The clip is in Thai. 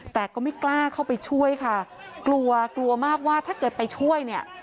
แต่ก็ไม่กล้าเข้าไปช่วยค่ะกลัวกลัวมากว่าถ้าเกิดไปช่วยเนี่ย